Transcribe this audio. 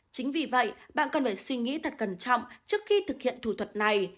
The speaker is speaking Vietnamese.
chính vì vậy bạn cần phải suy nghĩ thật cẩn trọng trước khi thực hiện thủ thuật này